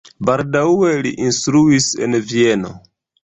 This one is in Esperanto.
Baldaŭe li instruis en Vieno.